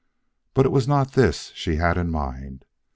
But it was not this she had in mind.